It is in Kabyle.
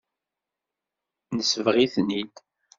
Nesbeɣ-iten-id.